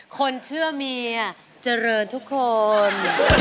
คนเชื่อเมียเจริญทุกคน